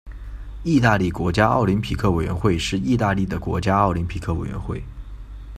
意大利国家奥林匹克委员会是意大利的国家奥林匹克委员会。